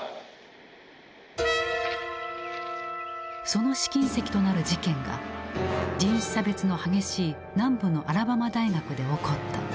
その試金石となる事件が人種差別の激しい南部のアラバマ大学で起こった。